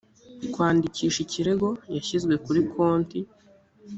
kwandikisha ikirego yashyizwe kuri konti